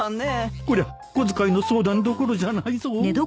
こりゃ小遣いの相談どころじゃないぞ